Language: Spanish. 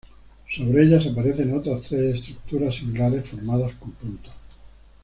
Sobre ellas aparecen otras tres estructuras similares formadas con puntos.